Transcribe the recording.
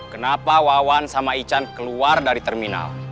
kenapa wawan sama ican keluar dari terminal